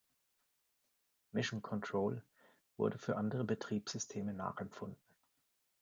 Mission Control wurde für andere Betriebssysteme nachempfunden.